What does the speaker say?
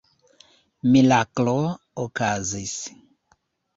Miraklo okazis.